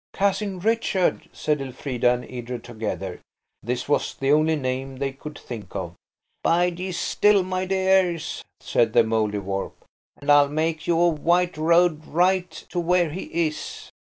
"Cousin Richard," said Elfrida and Edred together. This was the only name they could think of. "Bide ye still, my dears," said the Mouldiwarp, "and I'll make you a white road right to where he is."